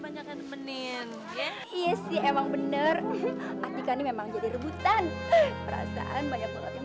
bisa nemenin ya iya sih emang bener ini kan memang jadi rebutan perasaan banyak banget yang